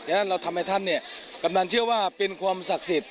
ฉะนั้นเราทำให้ท่านเนี่ยกำนันเชื่อว่าเป็นความศักดิ์สิทธิ